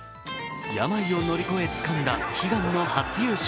病を乗り越えつかんだ悲願の初優勝。